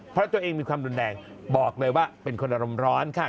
เพราะตัวเองมีความรุนแรงบอกเลยว่าเป็นคนอารมณ์ร้อนค่ะ